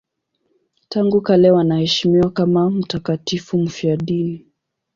Tangu kale wanaheshimiwa kama mtakatifu mfiadini.